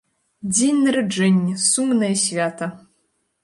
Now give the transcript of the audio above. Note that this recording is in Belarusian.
Дзень нараджэння, сумнае свята!